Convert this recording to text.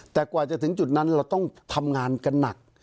แต่กว่าจะถึงจุดนั้นเราต้องทำงานกันหนัก